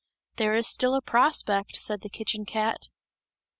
"There is still a prospect!" said the kitchen cat.